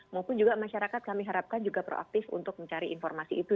maupun juga masyarakat kami harapkan juga proaktif untuk mencari informasi itu